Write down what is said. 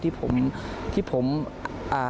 ที่ผมคิดว่าอยากทำ